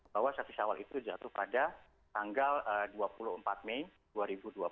bahwa satu syawal itu jatuh pada tanggal dua puluh empat mei dua ribu dua puluh